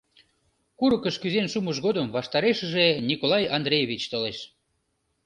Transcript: Курыкыш кӱзен шумыж годым ваштарешыже Николай Андреевич толеш.